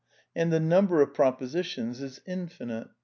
And the number of propositions is infinite.